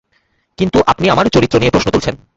কিন্তু আপনি আমার চরিত্র নিয়ে প্রশ্ন তুলছেন।